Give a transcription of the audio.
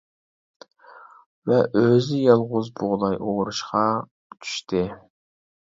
ۋە ئۆزى يالغۇز بۇغداي ئورۇشقا چۈشتى.